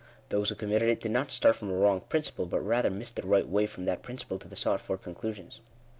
Those who committed it did not start from a wrong principle, but rather missed the right way from that principle to the sought for conclusions.